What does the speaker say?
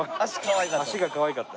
足かわいかった。